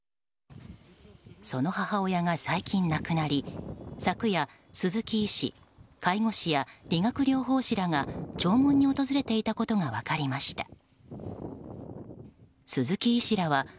その母親が最近亡くなり昨夜、鈴木医師、介護士や理学療法士などが、弔問に訪れていたことが分かりました。